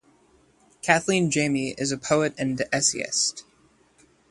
Kathleen Jamie is a poet and essayist.